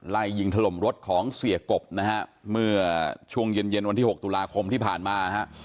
ไล่ยิงถล่มรถของเสียกบนะฮะเมื่อช่วงเย็นเย็นวันที่๖ตุลาคมที่ผ่านมาฮะ